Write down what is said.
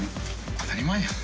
当たり前やん。